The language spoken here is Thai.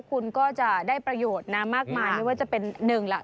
คุณก็จะได้ประโยชน์นะมากมายไม่ว่าจะเป็นหนึ่งล่ะ